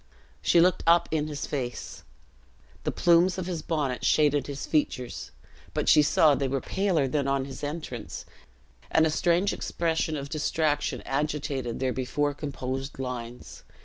She looked up in his face. The plumes of his bonnet shaded his features; but she saw they were paler than on his entrance, and a strange expression of distraction agitated their before composed lines.